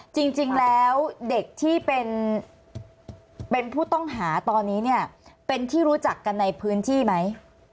จริงแล้วเด็กที่เป็นผู้ต้องหาตอนนี้เนี่ยเป็นที่รู้จักกันในพื้นที่ไหม